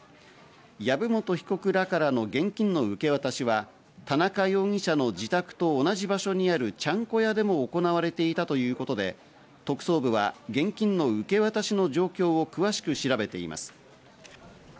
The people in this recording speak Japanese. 籔本被告らからの現金の受け渡しは、田中容疑者の自宅と同じ場所にあるちゃんこ屋でも行われていたということで、特捜部は現金の受け渡しの状況を詳しく調べています。